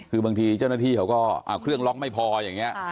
คือบางทีเจ้าหน้าที่เขาก็เครื่องล็อกไม่พออย่างนี้